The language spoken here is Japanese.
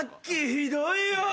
ひどいよ。